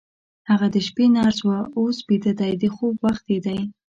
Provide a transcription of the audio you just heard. هغه د شپې نرس وه، اوس بیده ده، د خوب وخت یې دی.